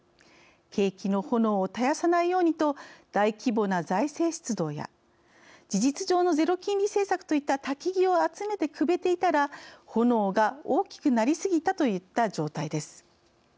景気の炎を絶やさないようにと大規模な財政出動や事実上のゼロ金利政策といった薪を集めて、くべていたら炎が大きくなりすぎたといった状態です。